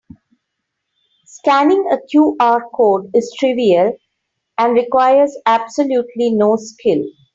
Scanning a QR code is trivial and requires absolutely no skill.